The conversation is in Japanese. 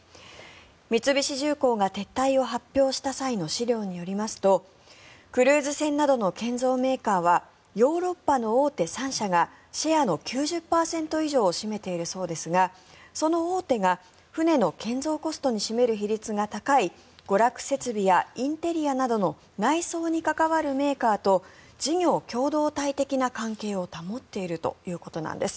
三菱重工が撤退を発表した際の資料によりますとクルーズ船などの建造メーカーはヨーロッパの大手３社がシェアの９０％以上を占めているそうですがその大手が船の建造コストに占める比率が高い娯楽設備やインテリアなどの内装に関わるメーカーと事業共同体的な関係を保っているということです。